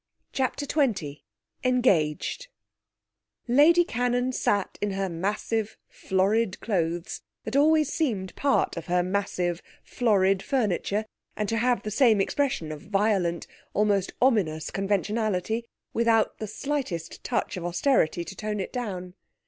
CHAPTER XXI 'Engaged' Lady Cannon sat in her massive, florid clothes, that always seemed part of her massive, florid furniture, and to have the same expression of violent, almost ominous conventionality, without the slightest touch of austerity to tone it down.